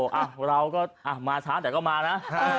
อ่ะเราก็มาช้าแต่ก็มานะ